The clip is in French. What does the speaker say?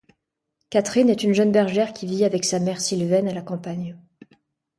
Catherine est une jeune bergère qui vit avec sa mère Sylvaine à la campagne.